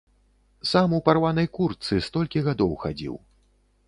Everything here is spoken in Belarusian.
Сам у парванай куртцы столькі гадоў хадзіў.